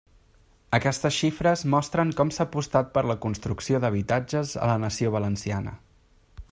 Aquestes xifres mostren com s'ha apostat per la construcció d'habitatges a la nació valenciana.